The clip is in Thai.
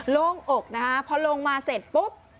โล่งอกนะคะพอลงมาเสร็จปุ๊บ